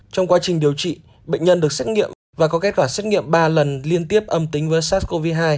trong quá trình điều trị bệnh nhân được xét nghiệm và có kết quả xét nghiệm ba lần liên tiếp âm tính với sars cov hai